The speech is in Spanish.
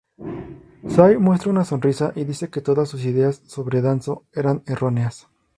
Sai muestra una sonrisa y dice que todas sus ideas sobre Danzō eran erróneas.